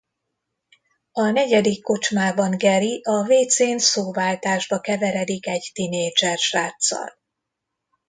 A negyedik kocsmában Gary a vécén szóváltásba keveredik egy tinédzser sráccal.